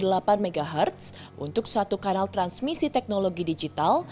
penyiaran analog menggunakan pita selebar delapan mhz untuk satu kanal transmisi teknologi digital